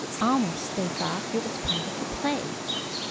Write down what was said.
Almost they thought it was part of the play.